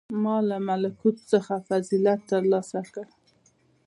• ما له ملکوت څخه فضیلت تر لاسه کړ.